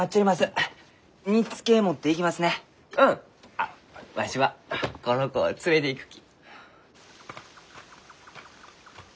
あっわしはこの子を連れていくき。